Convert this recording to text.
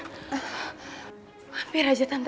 kayak gini ajabb